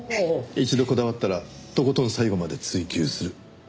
一度こだわったらとことん最後まで追求する。